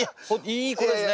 いい子ですね